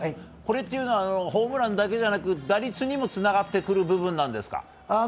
これっていうのはホームランだけでなく打率にもつながってくる部分ですか？